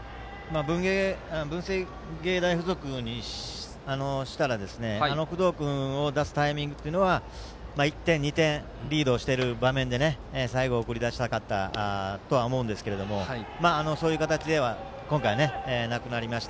文星芸大付属にしたら工藤君を出すタイミングは１点、２点リードしているタイミングで最後、送り出したかったとは思いますがそういう形では今回はなくなりました。